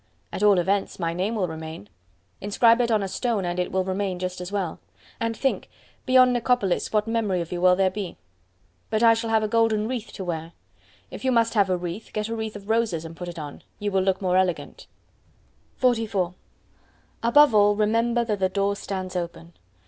"At all events my name will remain." "Inscribe it on a stone and it will remain just as well. And think, beyond Nicopolis what memory of you will there be?" "But I shall have a golden wreath to wear." "If you must have a wreath, get a wreath of roses and put it on; you will look more elegant!" XLIV Above all, remember that the door stands open.